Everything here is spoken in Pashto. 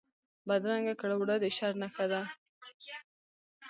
بدرنګه کړه وړه د شر نښه ده